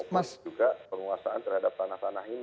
mas juga penguasaan terhadap tanah tanah ini